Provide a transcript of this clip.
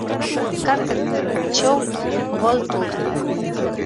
Carter Show World Tour.